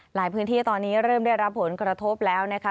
หลายพื้นที่ตอนนี้เริ่มได้รับผลกระทบแล้วนะคะ